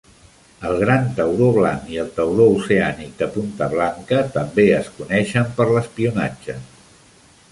El gran tauró blanc i el tauró oceànic de punta blanca també es coneixen per l'espionatge.